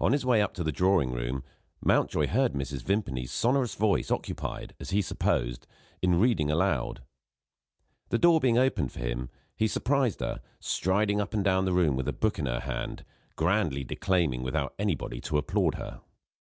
On his way up to the drawing room, Mountjoy heard Mrs. Vimpany's sonorous voice occupied, as he supposed, in reading aloud. The door being opened for him, he surprised her, striding up and down the room with a book in her hand; grandly declaiming without anybody to applaud her.